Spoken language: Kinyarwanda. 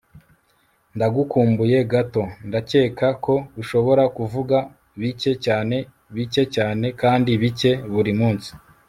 ndagukumbuye gato, ndakeka ko ushobora kuvuga, bike cyane, bike cyane kandi bike buri munsi